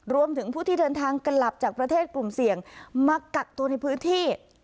รวมถึงผู้ที่เดินทางกลับจากประเทศกลุ่มเสี่ยงมากักตัวในพื้นที่